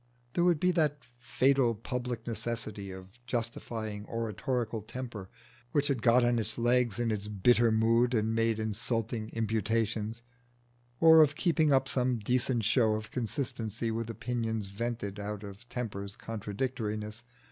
There would be the fatal public necessity of justifying oratorical Temper which had got on its legs in its bitter mood and made insulting imputations, or of keeping up some decent show of consistency with opinions vented out of Temper's contradictoriness.